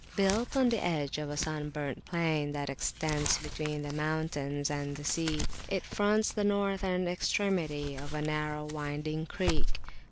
Built on the edge of a sunburnt plain that extends between the mountains and the sea, it fronts the northern extremity of a narrow winding creek.